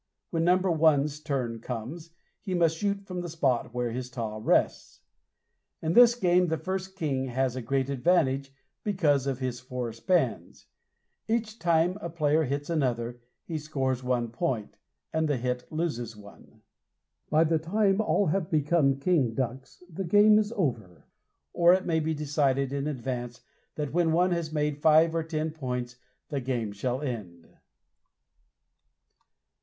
When number one's turn comes, he must shoot from the spot where his taw rests. In this game the first king has a great advantage because of his four spans. Each time a player hits another, he scores one point, and the hit loses one. By the time all have become King Ducks the game is over, or it may be decided in advance that when one has made five or ten points, the game shall end.